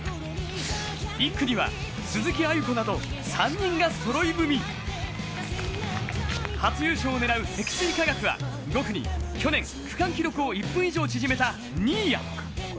１区には鈴木など、３人がそろい踏み初優勝を狙う積水化学は５区に去年区間記録を１分以上縮めた新谷。